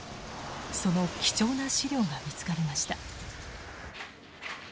その貴重な資料が見つかりました。